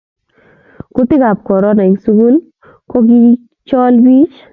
Kutikab korona eng' sukul ko kicholi pich